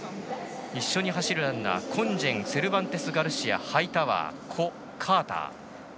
一緒に走るランナーはコンジェンセルバンテスガルシアハイタワー、胡洋、カーター。